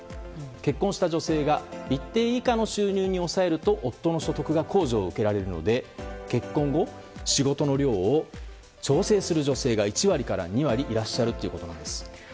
結婚した女性が一定以下の収入に抑えると夫の所得が控除を受けられるので結婚後、仕事の量を調整する女性が１割から２割いらっしゃるということです。